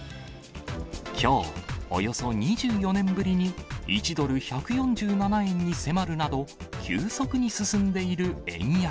きょう、およそ２４年ぶりに１ドル１４７円に迫るなど、急速に進んでいる円安。